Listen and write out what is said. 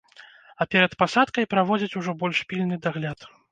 А перад пасадкай праводзяць ужо больш пільны дагляд.